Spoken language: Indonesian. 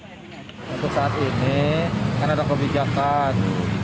untuk saat ini kan ada kebijakan